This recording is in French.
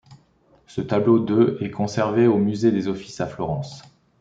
Ce tableau de est conservé au Musée des Offices à Florence.